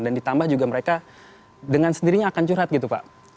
dan ditambah juga mereka dengan sendirinya akan curhat gitu pak